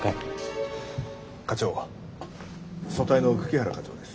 課長組対の久木原課長です。